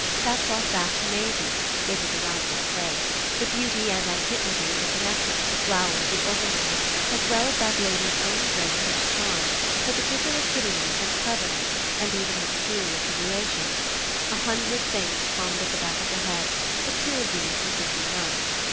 That brought back to Maisie it was a roundabout way the beauty and antiquity of her connexion with the flower of the Overmores as well as that lady's own grace and charm, her peculiar prettiness and cleverness and even her peculiar tribulations. A hundred things hummed at the back of her head, but two of these were simple enough.